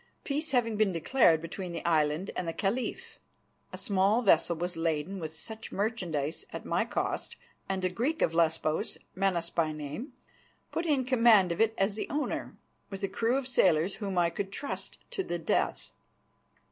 Peace having been declared between the island and the Caliph, a small vessel was laden with such merchandise at my cost, and a Greek of Lesbos, Menas by name, put in command of it as the owner, with a crew of sailors whom I could trust to the death.